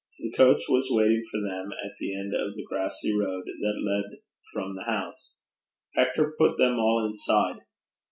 The coach was waiting for them at the end of the grassy road that led from the house. Hector put them all inside.